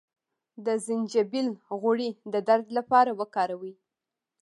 د زنجبیل غوړي د درد لپاره وکاروئ